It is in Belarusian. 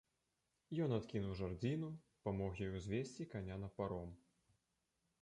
Ён адкінуў жардзіну, памог ёй узвесці каня на паром.